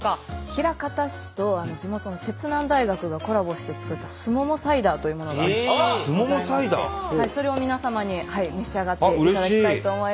枚方市と地元の摂南大学がコラボして作ったすももサイダーというものがございましてそれを皆様に召し上がっていただきたいと思います。